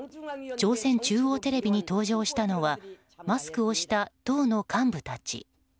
朝鮮中央テレビに登場したのはマスクをした党の幹部たち。